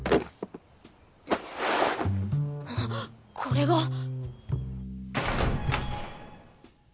あっこれが。